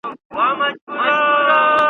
اوس مي خواته راروان قدم قدم دئ